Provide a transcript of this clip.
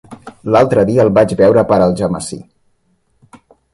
L'altre dia el vaig veure per Algemesí.